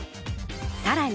さらに。